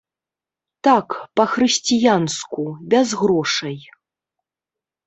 Так, па-хрысціянску, без грошай.